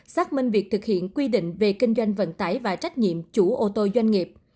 xác minh việc thực hiện quy định về kinh doanh vận tải và trách nhiệm chủ ô tô doanh nghiệp